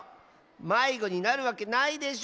まいごになるわけないでしょ！